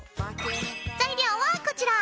材料はこちら。